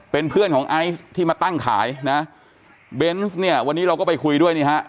เป็นเพื่อนของไอซ์ที่มาตั้งขายนะเบนส์เนี่ยวันนี้เราก็ไปคุยด้วยนี่ฮะ